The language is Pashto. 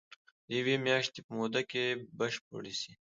د يوې مياشتي په موده کي بشپړي سي.